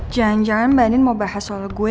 jangan jangan mbak nin mau bahas soal gue